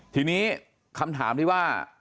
ทีนี้คำถามที่ว่า